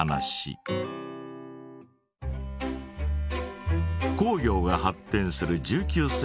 工業が発展する１９世紀のイギリス。